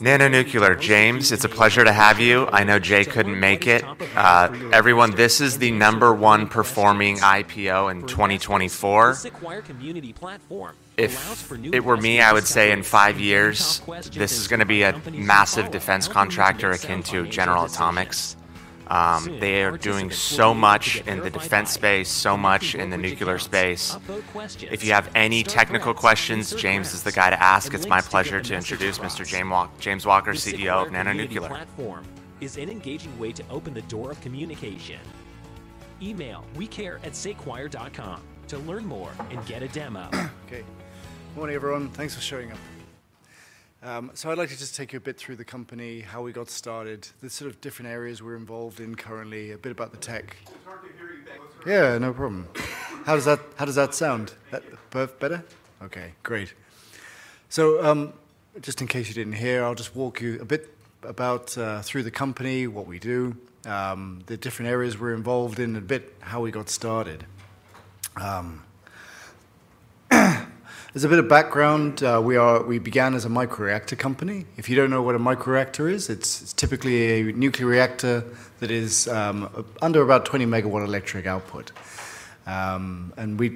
NANO Nuclear, James, it's a pleasure to have you. I know Jay couldn't make it. Everyone, this is the number one performing IPO in 2024. If it were me, I would say in five years, this is going to be a massive defense contractor akin to General Atomics. They are doing so much in the defense space, so much in the nuclear space. If you have any technical questions, James is the guy to ask. It's my pleasure to introduce Mr. James Walker, CEO of NANO Nuclear. Is an engaging way to open the door of communication. Email wecare@sequire.com to learn more and get a demo. Okay. Good morning, everyone. Thanks for showing up. I'd like to just take you a bit through the company, how we got started, the sort of different areas we're involved in currently, a bit about the tech. It's hard to hear you. Yeah, no problem. How does that sound? Better? Okay, great. Just in case you didn't hear, I'll just walk you a bit about, through the company, what we do, the different areas we're involved in, a bit how we got started. There's a bit of background. We are, we began as a microreactor company. If you don't know what a microreactor is, it's typically a nuclear reactor that is under about 20 megawatt electric output.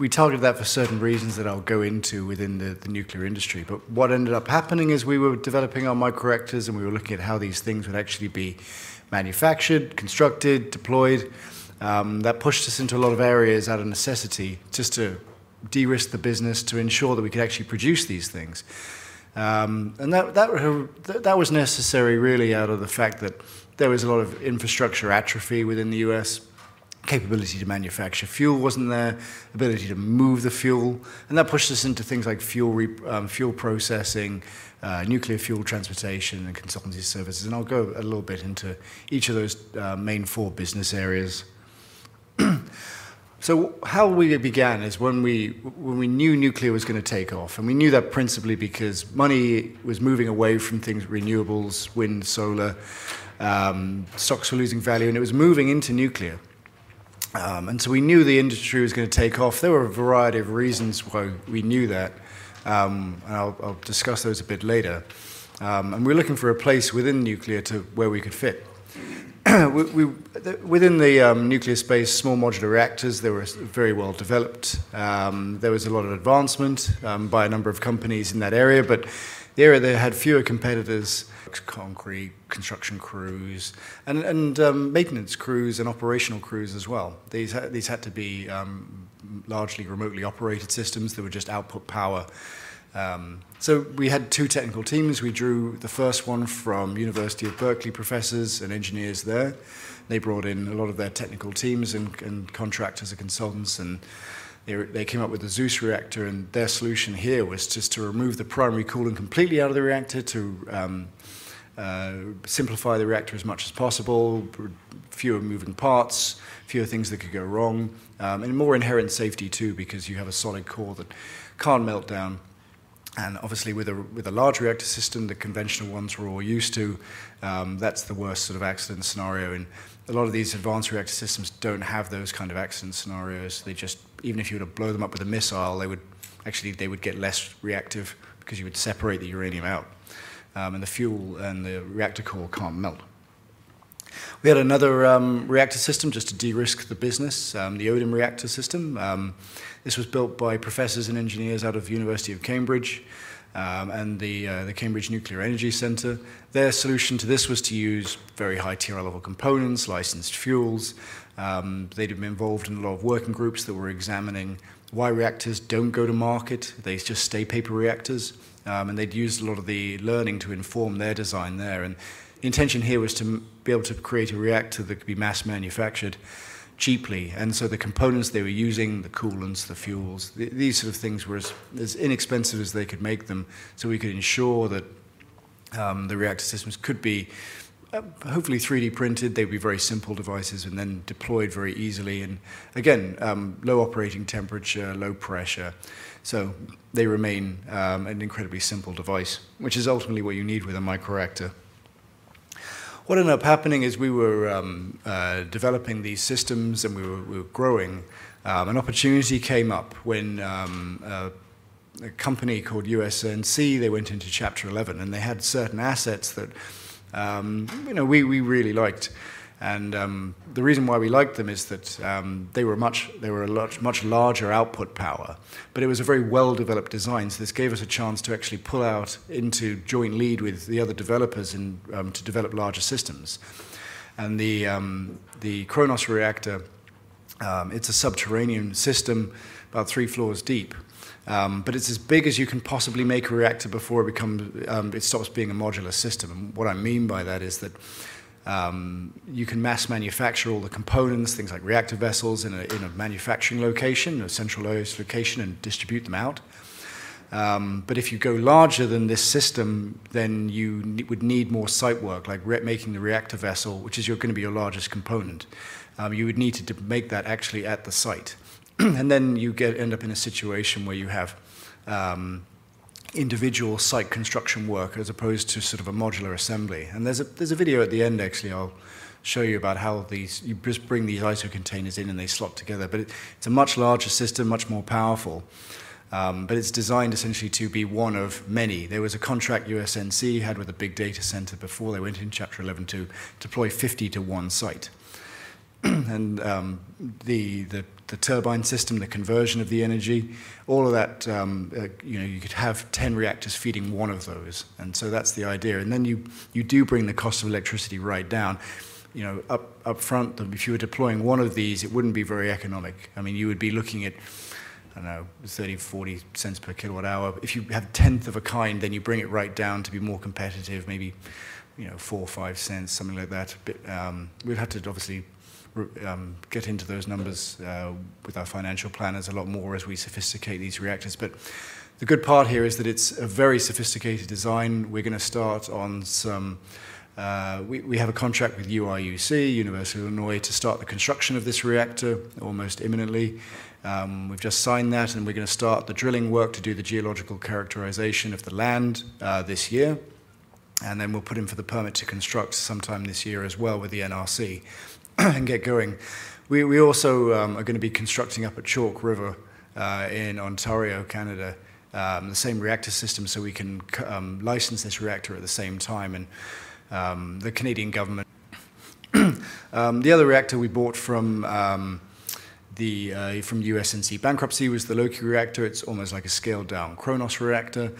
We targeted that for certain reasons that I'll go into within the nuclear industry. What ended up happening is we were developing our microreactors, and we were looking at how these things would actually be manufactured, constructed, deployed. That pushed us into a lot of areas out of necessity just to de-risk the business, to ensure that we could actually produce these things. That was necessary really out of the fact that there was a lot of infrastructure atrophy within the U.S., capability to manufacture fuel was not there, ability to move the fuel, and that pushed us into things like fuel re, fuel processing, nuclear fuel transportation, and consultancy services. I'll go a little bit into each of those main four business areas. How we began is when we knew nuclear was going to take off, and we knew that principally because money was moving away from things like renewables, wind, solar, stocks were losing value, and it was moving into nuclear. We knew the industry was going to take off. There were a variety of reasons why we knew that. I'll discuss those a bit later. We were looking for a place within nuclear to where we could fit. We, we within the nuclear space, small modular reactors, they were very well developed. There was a lot of advancement by a number of companies in that area, but the area that had fewer competitors: concrete construction crews, and maintenance crews and operational crews as well. These, these had to be largely remotely operated systems that were just output power. We had two technical teams. We drew the first one from University of California, Berkeley professors and engineers there. They brought in a lot of their technical teams and contractors and consultants, and they came up with the ZEUS reactor, and their solution here was just to remove the primary coolant completely out of the reactor to simplify the reactor as much as possible, fewer moving parts, fewer things that could go wrong, and more inherent safety too, because you have a solid core that can't melt down. Obviously, with a large reactor system, the conventional ones we're all used to, that's the worst sort of accident scenario. A lot of these advanced reactor systems don't have those kind of accident scenarios. They just, even if you were to blow them up with a missile, they would actually get less reactive because you would separate the uranium out, and the fuel and the reactor core can't melt. We had another reactor system just to de-risk the business, the ODIN reactor system. This was built by professors and engineers out of University of Cambridge, and the Cambridge Nuclear Energy Centre. Their solution to this was to use very high-tier level components, licensed fuels. They'd been involved in a lot of working groups that were examining why reactors don't go to market. They just stay paper reactors. They'd used a lot of the learning to inform their design there. The intention here was to be able to create a reactor that could be mass manufactured cheaply. The components they were using, the coolants, the fuels, these sort of things were as inexpensive as they could make them so we could ensure that the reactor systems could be, hopefully, 3D printed. They'd be very simple devices and then deployed very easily. Again, low operating temperature, low pressure. They remain an incredibly simple device, which is ultimately what you need with a microreactor. What ended up happening is we were developing these systems and we were growing. An opportunity came up when a company called USNC went into Chapter 11 and they had certain assets that, you know, we really liked. The reason why we liked them is that they were a much, much larger output power, but it was a very well-developed design. This gave us a chance to actually pull out into joint lead with the other developers and to develop larger systems. The KRONOS reactor is a subterranean system, about three floors deep, but it is as big as you can possibly make a reactor before it stops being a modular system. What I mean by that is that you can mass manufacture all the components, things like reactor vessels, in a manufacturing location, a centralized location, and distribute them out. If you go larger than this system, then you would need more site work, like making the reactor vessel, which is going to be your largest component. You would need to make that actually at the site. Then you end up in a situation where you have individual site construction work as opposed to sort of a modular assembly. There is a video at the end, actually, I'll show you about how these, you just bring these ISO containers in and they slot together, but it is a much larger system, much more powerful. It is designed essentially to be one of many. There was a contract USNC had with a big data center before they went in Chapter 11 to deploy 50 to one site. The turbine system, the conversion of the energy, all of that, you know, you could have 10 reactors feeding one of those. That is the idea. You do bring the cost of electricity right down, you know, upfront. If you were deploying one of these, it would not be very economic. I mean, you would be looking at, I do not know, $0.03-$0.04 per kWh. If you had a tenth of a kind, then you bring it right down to be more competitive, maybe, you know, $0.04-$0.05, something like that. We have had to obviously get into those numbers with our financial planners a lot more as we sophisticate these reactors. The good part here is that it's a very sophisticated design. We're going to start on some, we have a contract with UIUC, University of Illinois, to start the construction of this reactor almost imminently. We've just signed that and we're going to start the drilling work to do the geological characterization of the land this year. Then we'll put in for the permit to construct sometime this year as well with the NRC and get going. We also are going to be constructing up at Chalk River, in Ontario, Canada, the same reactor system so we can license this reactor at the same time. The Canadian government. The other reactor we bought from the USNC bankruptcy was the LOKI reactor. It's almost like a scaled down KRONOS reactor,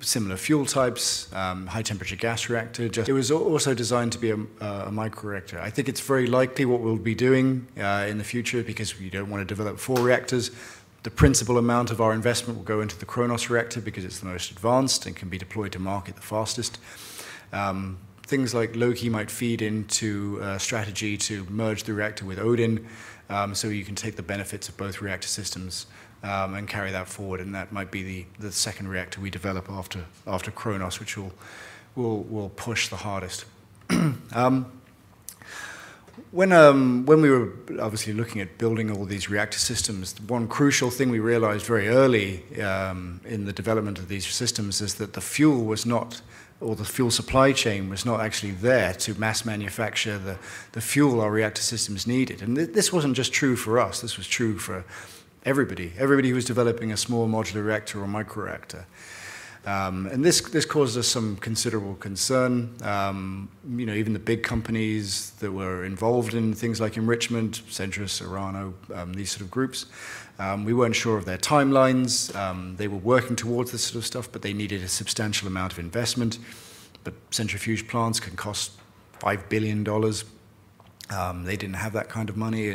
similar fuel types, high temperature gas reactor. It was also designed to be a microreactor. I think it's very likely what we'll be doing in the future because we don't want to develop four reactors. The principal amount of our investment will go into the KRONOS reactor because it's the most advanced and can be deployed to market the fastest. Things like LOKI might feed into a strategy to merge the reactor with ODIN, so you can take the benefits of both reactor systems and carry that forward. That might be the second reactor we develop after KRONOS, which we will push the hardest. When we were obviously looking at building all these reactor systems, one crucial thing we realized very early in the development of these systems is that the fuel was not, or the fuel supply chain was not actually there to mass manufacture the fuel our reactor systems needed. This was not just true for us. This was true for everybody, everybody who was developing a small modular reactor or microreactor. This caused us some considerable concern. You know, even the big companies that were involved in things like enrichment, Centrus, Orano, these sort of groups, we were not sure of their timelines. They were working towards this sort of stuff, but they needed a substantial amount of investment. Centrifuge plants can cost $5 billion. They did not have that kind of money.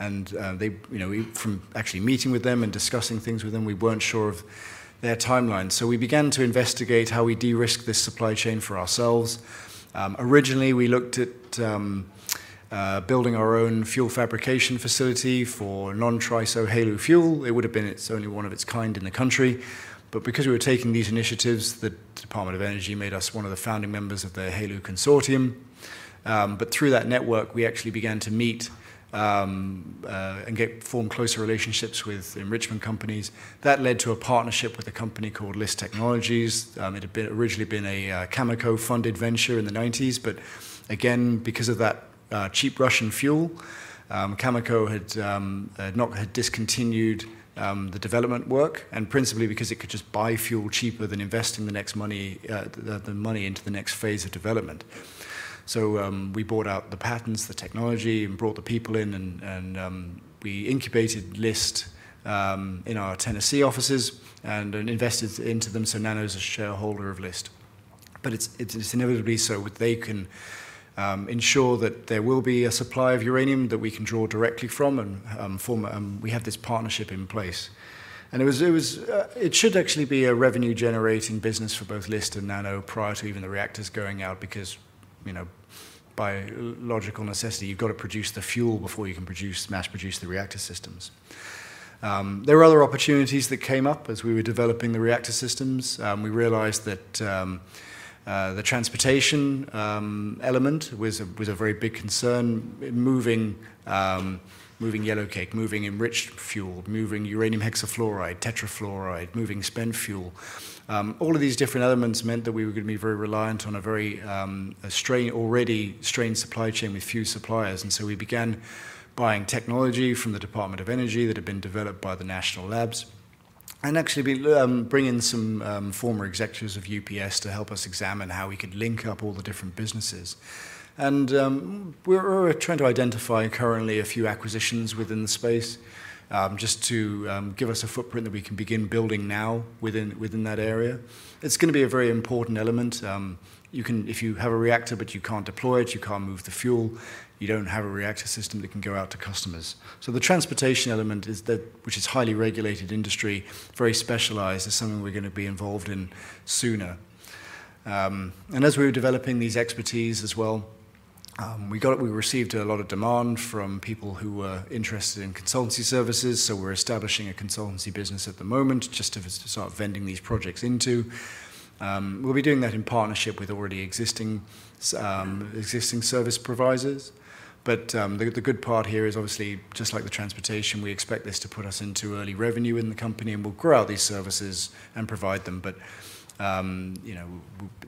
They, you know, from actually meeting with them and discussing things with them, we weren't sure of their timeline. We began to investigate how we de-risk this supply chain for ourselves. Originally we looked at building our own fuel fabrication facility for non-TRISO HALEU fuel. It would have been its only one of its kind in the country. Because we were taking these initiatives, the Department of Energy made us one of the founding members of the HALEU consortium. Through that network, we actually began to meet and get form closer relationships with enrichment companies. That led to a partnership with a company called LIS Technologies. It had originally been a Cameco funded venture in the nineties. Again, because of that cheap Russian fuel, Cameco had discontinued the development work and principally because it could just buy fuel cheaper than investing the money into the next phase of development. We bought out the patents, the technology, and brought the people in, and we incubated LIS in our Tennessee offices and invested into them. NANO is a shareholder of LIS, but it's inevitably so that they can ensure that there will be a supply of uranium that we can draw directly from, and we have this partnership in place. It should actually be a revenue generating business for both LIS and NANO prior to even the reactors going out because, you know, by logical necessity, you've got to produce the fuel before you can mass produce the reactor systems. There were other opportunities that came up as we were developing the reactor systems. We realized that the transportation element was a very big concern, moving yellowcake, moving enriched fuel, moving uranium hexafluoride, tetrafluoride, moving spent fuel. All of these different elements meant that we were going to be very reliant on a very, a strained, already strained supply chain with few suppliers. We began buying technology from the Department of Energy that had been developed by the national labs and actually bring in some former executives of UPS to help us examine how we could link up all the different businesses. We are trying to identify currently a few acquisitions within the space just to give us a footprint that we can begin building now within that area. It is going to be a very important element. You can, if you have a reactor, but you can't deploy it, you can't move the fuel, you don't have a reactor system that can go out to customers. The transportation element is that, which is a highly regulated industry, very specialized, is something we're going to be involved in sooner. As we were developing these expertise as well, we received a lot of demand from people who were interested in consultancy services. We're establishing a consultancy business at the moment just to sort of vending these projects into. We'll be doing that in partnership with already existing service providers. The good part here is obviously just like the transportation, we expect this to put us into early revenue in the company and we'll grow out these services and provide them. You know,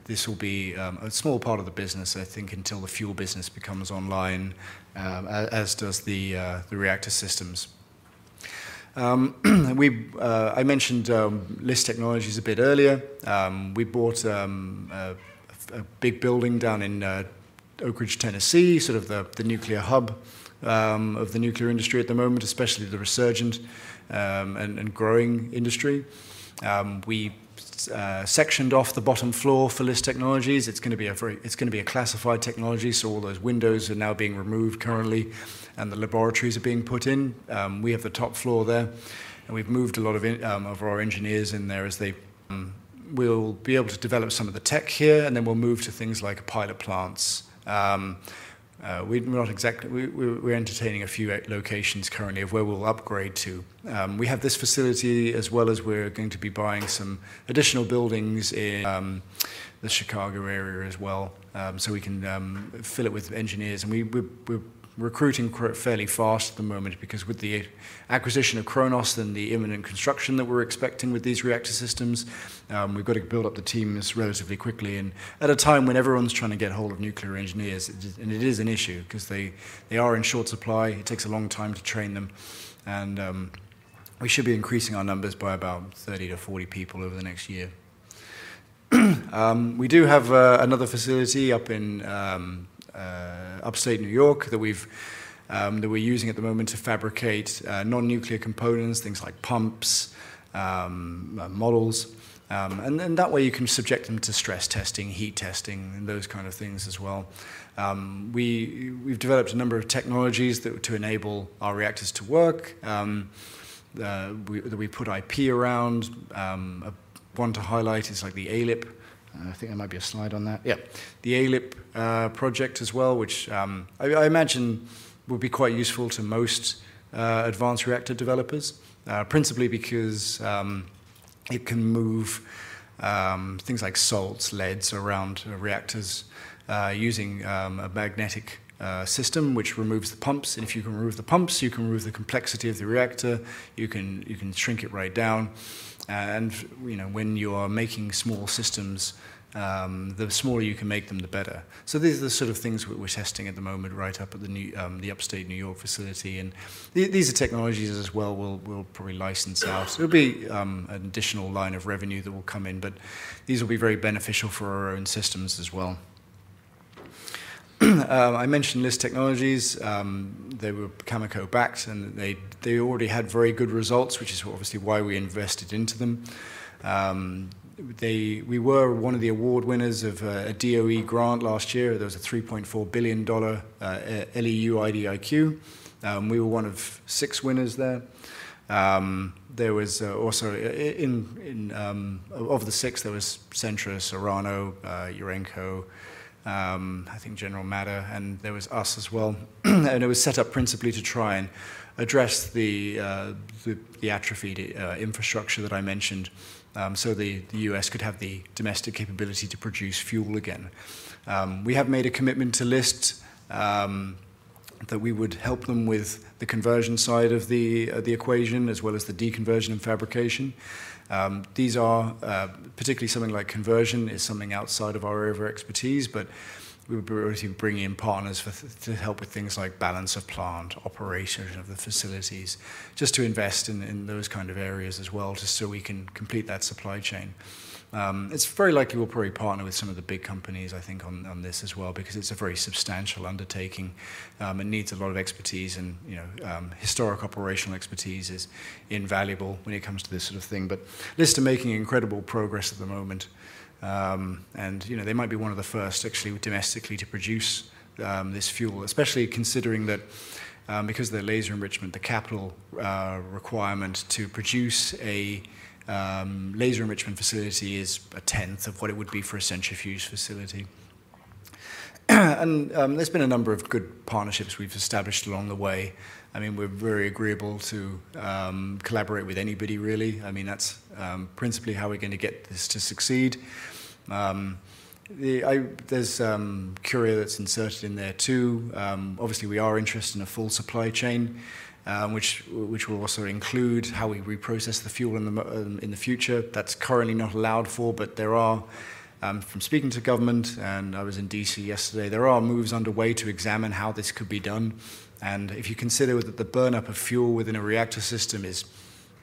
this will be a small part of the business, I think, until the fuel business becomes online, as does the reactor systems. We, I mentioned, LIS Technologies a bit earlier. We bought a big building down in Oak Ridge, Tennessee, sort of the nuclear hub of the nuclear industry at the moment, especially the resurgent and growing industry. We sectioned off the bottom floor for LIS Technologies. It's going to be a very, it's going to be a classified technology. So all those windows are now being removed currently and the laboratories are being put in. We have the top floor there and we've moved a lot of our engineers in there as they. We'll be able to develop some of the tech here and then we'll move to things like pilot plants. We're not exactly, we, we're entertaining a few locations currently of where we'll upgrade to. We have this facility as well as we're going to be buying some additional buildings in the Chicago area as well. We can fill it with engineers and we, we're recruiting quite fairly fast at the moment because with the acquisition of KRONOS and the imminent construction that we're expecting with these reactor systems, we've got to build up the teams relatively quickly at a time when everyone's trying to get hold of nuclear engineers. It is an issue because they are in short supply. It takes a long time to train them. We should be increasing our numbers by about 30-40 people over the next year. We do have another facility up in upstate New York that we're using at the moment to fabricate non-nuclear components, things like pumps, models. That way you can subject them to stress testing, heat testing, and those kinds of things as well. We've developed a number of technologies to enable our reactors to work that we put IP around. A want to highlight is like the ALIP. I think there might be a slide on that. Yeah. The ALIP project as well, which I imagine will be quite useful to most advanced reactor developers, principally because it can move things like salts, leads around reactors using a magnetic system, which removes the pumps. If you can remove the pumps, you can remove the complexity of the reactor. You can shrink it right down. And, you know, when you are making small systems, the smaller you can make them, the better. These are the sort of things that we're testing at the moment right up at the upstate New York facility. These are technologies as well. We'll probably license out, so it'll be an additional line of revenue that will come in, but these will be very beneficial for our own systems as well. I mentioned LIS Technologies. They were Cameco backed and they already had very good results, which is obviously why we invested into them. We were one of the award winners of a DOE grant last year. There was a $3.4 billion LEU IDIQ. We were one of six winners there. Also, of the six, there was Centrus, Orano, Urenco, I think General Atomics, and there was us as well. It was set up principally to try and address the atrophied infrastructure that I mentioned, so the U.S. could have the domestic capability to produce fuel again. We have made a commitment to LIS that we would help them with the conversion side of the equation as well as the deconversion and fabrication. These are, particularly something like conversion is something outside of our area of expertise, but we would be able to bring in partners to help with things like balance of plant operation of the facilities just to invest in those kinds of areas as well, so we can complete that supply chain. It's very likely we'll probably partner with some of the big companies, I think, on this as well, because it's a very substantial undertaking. It needs a lot of expertise and, you know, historic operational expertise is invaluable when it comes to this sort of thing. But LIS are making incredible progress at the moment, and, you know, they might be one of the first actually domestically to produce this fuel, especially considering that, because of the laser enrichment, the capital requirement to produce a laser enrichment facility is a tenth of what it would be for a centrifuge facility. There have been a number of good partnerships we've established along the way. I mean, we're very agreeable to collaborate with anybody really. I mean, that's principally how we're going to get this to succeed. There's Curio that's inserted in there too. Obviously we are interested in a full supply chain, which will also include how we reprocess the fuel in the future. That's currently not allowed for, but there are, from speaking to government and I was in DC yesterday, there are moves underway to examine how this could be done. If you consider that the burnup of fuel within a reactor system is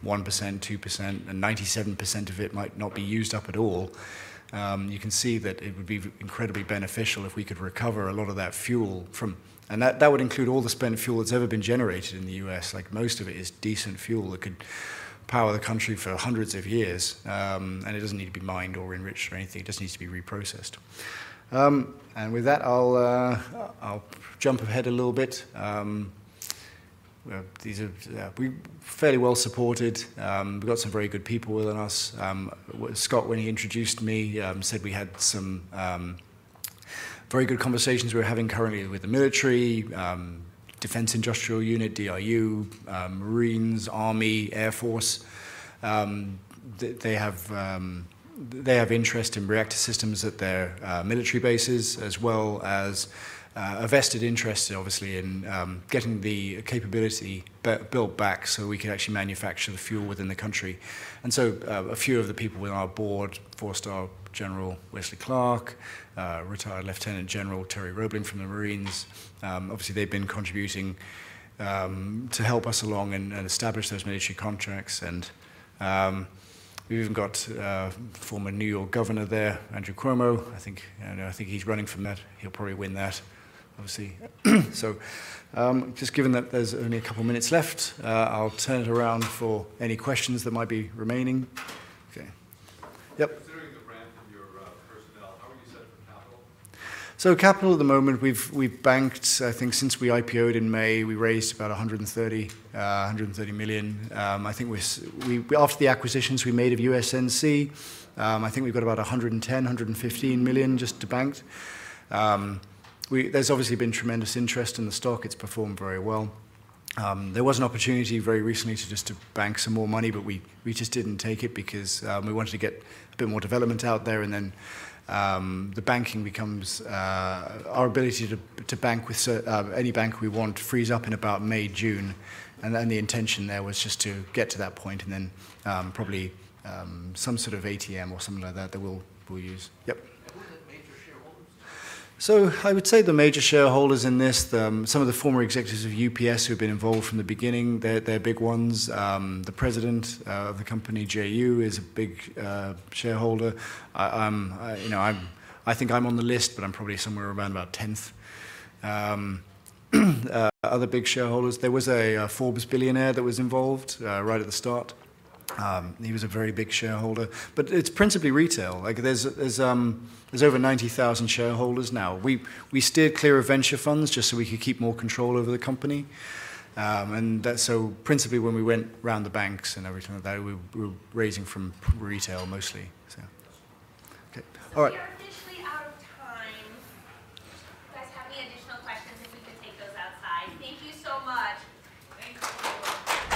1%, 2%, and 97% of it might not be used up at all, you can see that it would be incredibly beneficial if we could recover a lot of that fuel from, and that would include all the spent fuel that's ever been generated in the U.S. Like most of it is decent fuel that could power the country for hundreds of years. It doesn't need to be mined or enriched or anything. It just needs to be reprocessed. With that, I'll jump ahead a little bit. We are fairly well supported. We've got some very good people within us. Scott, when he introduced me, said we had some very good conversations we were having currently with the military, defense industrial unit, DIU, Marines, Army, Air Force. They have interest in reactor systems at their military bases as well as a vested interest obviously in getting the capability built back so we could actually manufacture the fuel within the country. A few of the people within our board, Four-Star General Wesley Clark, retired Lieutenant General Terry Robling from the Marines, obviously they've been contributing to help us along and establish those military contracts. We've even got former New York Governor there, Andrew Cuomo, I think, and I think he's running for that. He'll probably win that, obviously. Just given that there's only a couple of minutes left, I'll turn it around for any questions that might be remaining. Okay. Yep. Considering the ramp in your personnel, how are you set up for capital? Capital at the moment, we've banked, I think since we IPO'd in May, we raised about $130 million, $130 million. I think after the acquisitions we made of USNC, I think we've got about $110 million-$115 million just banked. There's obviously been tremendous interest in the stock. It's performed very well. There was an opportunity very recently to bank some more money, but we just didn't take it because we wanted to get a bit more development out there. The banking becomes our ability to bank with any bank we want, frees up in about May, June. The intention there was just to get to that point and then probably some sort of ATM or something like that that we'll use. Yep. Who are the major shareholders? I would say the major shareholders in this, some of the former executives of UPS who've been involved from the beginning, they're big ones. The President of the company, Yu, is a big shareholder. I think I'm on the list, but I'm probably somewhere around about 10th. Other big shareholders, there was a Forbes billionaire that was involved right at the start. He was a very big shareholder, but it's principally retail. Like, there's over 90,000 shareholders now. We steered clear of venture funds just so we could keep more control over the company. That's principally when we went around the banks and everything like that, we were raising from retail mostly. All right. We are officially out of time. You guys have any additional questions, if we could take those outside. Thank you so much. Thank you.